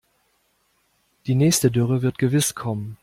Die nächste Dürre wird gewiss kommen.